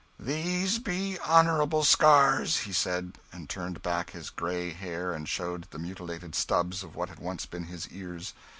"These be honourable scars," he said, and turned back his grey hair and showed the mutilated stubs of what had once been his ears.